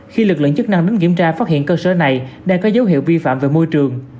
khi lực lượng chức năng đến kiểm tra phát hiện cơ sở này đang có dấu hiệu vi phạm về môi trường